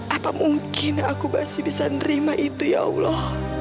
apa mungkin aku masih bisa nerima itu ya allah